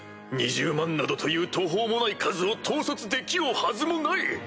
２０万などという途方もない数を統率できようはずもない！